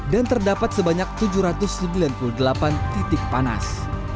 dan terdapat sebanyak tujuh ratus sembilan puluh delapan titik panas